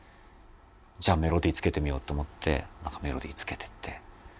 じゃあメロディーつけてみようって思ってメロディーつけていって。